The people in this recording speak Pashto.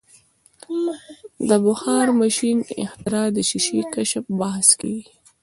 د بخار ماشین اختراع د شیشې کشف بحث کیږي.